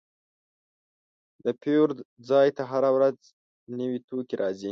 د پیرود ځای ته هره ورځ نوي توکي راځي.